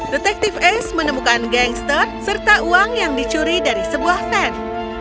detektif ace menemukan gangster serta uang yang dicuri dari sebuah stand